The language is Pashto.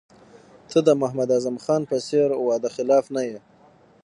ته د محمد اعظم خان په څېر وعده خلاف نه یې.